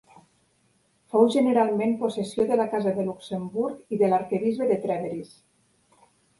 Fou generalment possessió de la casa de Luxemburg i de l'arquebisbe de Trèveris.